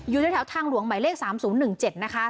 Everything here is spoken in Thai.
อยู่ในแถวทางหลวงหมายเลข๓๐๑๗นะคะ